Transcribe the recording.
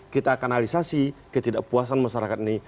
kita kanalisasi ketidakpuasan masyarakat ini